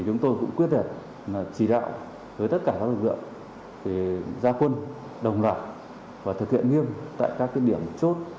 chúng tôi cũng quyết định chỉ đạo với tất cả các lực lượng ra quân đồng loạt và thực hiện nghiêm tại các điểm chốt